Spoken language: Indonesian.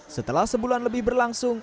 setelah sebulan lebih berlangsung